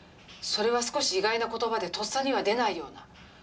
それは少し意外な言葉でとっさには出ないような。